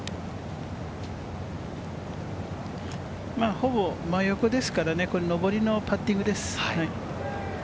ほぼ真横ですから、上りのパッティングです。